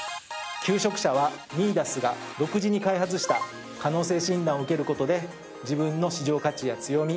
求職者は「ミイダス」が独自に開発した可能性診断を受ける事で自分の市場価値や強み